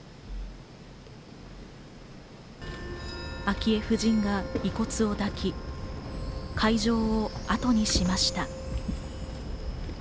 昭恵夫人が遺骨を抱き、会場をあとにしました。